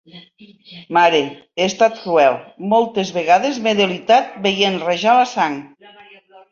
Mare, he estat cruel: moltes vegades m’he delitat veient rajar la sang.